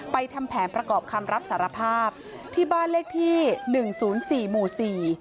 ทำแผนประกอบคำรับสารภาพที่บ้านเลขที่หนึ่งศูนย์สี่หมู่สี่